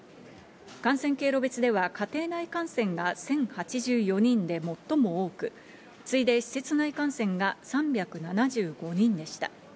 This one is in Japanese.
感染経路別では家庭内感染が１０８４人で最も多く、次いで施設内感染が３７５人でした。